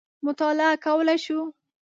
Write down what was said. مطالعه کولای شو.